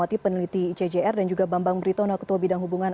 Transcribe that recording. ini juga akan terjadi pembahasan